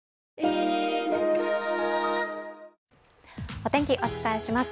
お天気、お伝えします。